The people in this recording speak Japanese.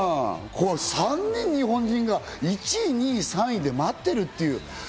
３人、日本人が１位、２位、３位で待っている。